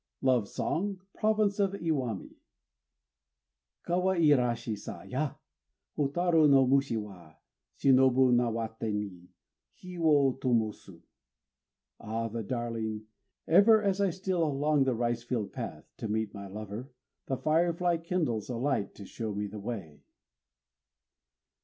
LOVE SONG (Province of Iwami) Kawairashi sa ya! Hotaru no mushi wa Shinobu nawaté ni Hi wo tomosu. Ah, the darling!... Ever as I steal along the ricefield path [to meet my lover], the firefly kindles a light to show me the way.